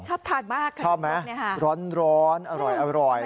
ชอบทานมากขนมครกเนี่ยครับชอบไหมร้อนร้อนอร่อยอร่อย